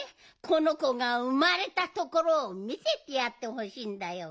このこがうまれたところをみせてやってほしいんだよ。